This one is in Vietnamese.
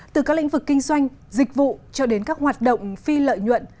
từ các lĩnh vực kinh doanh dịch vụ cho đến các hoạt động phi lợi nhuận